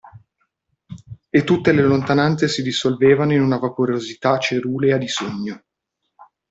E tutte le lontananze si dissolvevano in una vaporosità cerulea di sogno.